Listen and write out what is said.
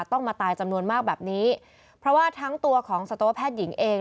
ต้องมาตายจำนวนมากแบบนี้เพราะว่าทั้งตัวของสัตวแพทย์หญิงเอง